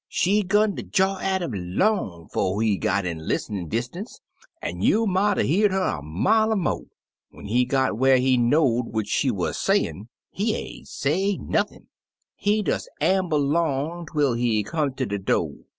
She 'gun ter jaw at 'im, long 'fo' he got in lis' nen' distance, an' you mought 'a' hear her a mile er mo'. When he got whar he know'd what she wuz sayin', he ain't say nothin'; he des amble 'long twel he come ter de do'.